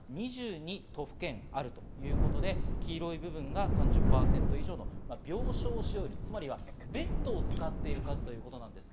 ２２都府県あるということで黄色い部分が３０％以上の病床使用率、つまりベッドを使っている数ということです。